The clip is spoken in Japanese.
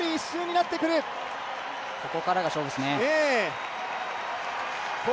ここからが勝負ですね。